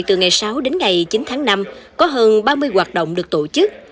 từ ngày sáu đến ngày chín tháng năm có hơn ba mươi hoạt động được tổ chức